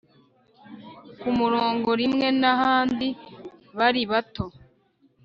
ku murongo rimwe, n'ahandi, bari bato